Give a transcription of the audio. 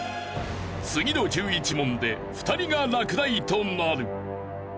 次の１１問で２人が落第となる。